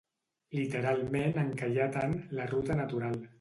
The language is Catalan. Literalment encallat en «la ruta natural».